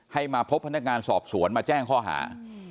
ให้มาพบพนักงานสอบสวนมาแจ้งข้อหา